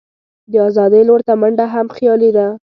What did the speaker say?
د آزادۍ لور ته منډه هم خیالي ده.